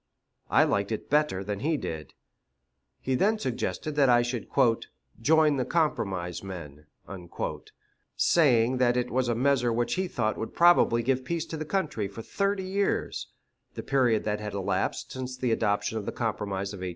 I liked it better than he did. He then suggested that I should "join the compromise men," saying that it was a measure which he thought would probably give peace to the country for thirty years the period that had elapsed since the adoption of the compromise of 1820.